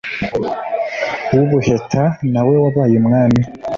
w’ubuheta nawe wabaye umwami.